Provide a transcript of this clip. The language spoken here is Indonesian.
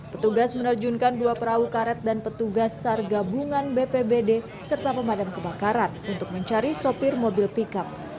petugas menerjunkan dua perahu karet dan petugas sar gabungan bpbd serta pemadam kebakaran untuk mencari sopir mobil pickup